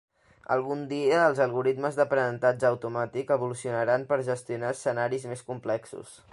Algun dia, els algoritmes d'aprenentatge automàtic evolucionaran per gestionar escenaris més complexos.